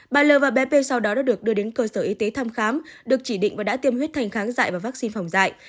bà l và b sau đó đã được đưa đến cơ sở y tế thăm khám được chỉ định và đã tiêm huyết thành kháng dại và vaccine phòng dạy